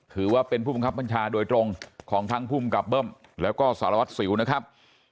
ถือว่าเป็นผู้บังคับบัญชาโดยตรงของทั้งภูมิกับเบิ้มแล้วก็สารวัตรสิวนะครับ